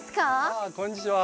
あこんにちは。